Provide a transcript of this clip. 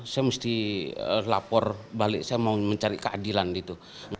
saya mesti lapor balik saya mau mencari keadilan gitu